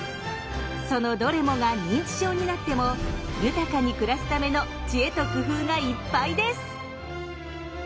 そのどれもが認知症になっても豊かに暮らすための知恵と工夫がいっぱいです！